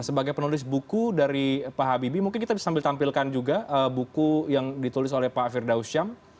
sebagai penulis buku dari pak habibie mungkin kita bisa sambil tampilkan juga buku yang ditulis oleh pak firdausyam